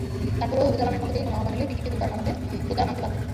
তারপরও ওচালানের পক্ষ থেকে কোনো আহ্বান এলে পিকেকে যোদ্ধারা মানতে বাধ্য।